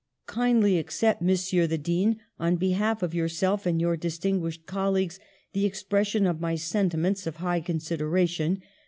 "Kindly accept. Monsieur the Dean, on behalf of yourself and your distinguished colleagues, the ex pression of my sentiments of high consideration.